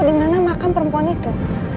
dimana makan perempuan itu